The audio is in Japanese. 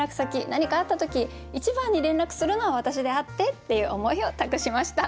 何かあった時一番に連絡するのは私であってっていう思いを託しました。